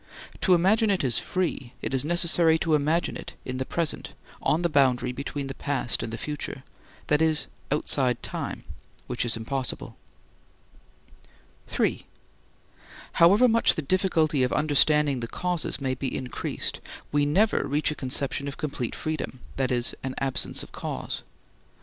To imagine it as free, it is necessary to imagine it in the present, on the boundary between the past and the future—that is, outside time, which is impossible. (3) However much the difficulty of understanding the causes may be increased, we never reach a conception of complete freedom, that is, an absence of cause.